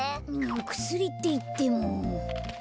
くすりっていっても。